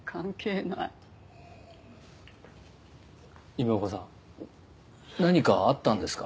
今岡さん何かあったんですか？